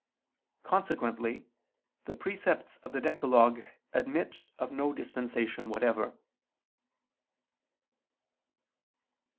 Consequently the precepts of the decalogue admit of no dispensation whatever.